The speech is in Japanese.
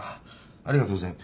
ありがとうござい。